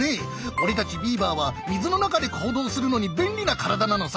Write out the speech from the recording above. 俺たちビーバーは水の中で行動するのに便利な体なのさ。